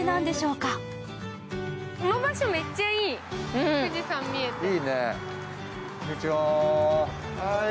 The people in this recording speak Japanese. この場所めっちゃいい、富士山見えて。